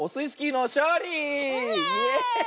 イエーイ！